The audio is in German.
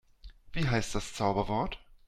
Wie heißt das Zauberwort?